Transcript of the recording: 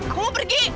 aku mau pergi